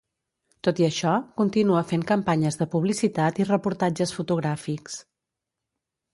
Tot i això, continua fent campanyes de publicitat i reportatges fotogràfics.